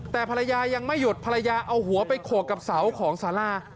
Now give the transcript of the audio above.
แต่ภรรยายังไม่หยุดภรรยาเอาหัวไปโขดกับเสาของสารา